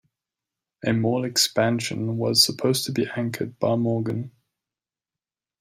A mall expansion was supposed to be anchored by Morgan.